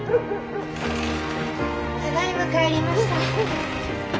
ただいま帰りました。